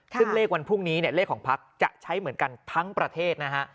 ซึ่งเลขวันพรุ่งนี้เลขของพักจะใช้เหมือนกันทั้งประเทศนะฮะ